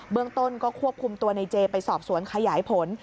เมืองต้นก็ควบคุมตัวในเจไปสอบสวนขยายผล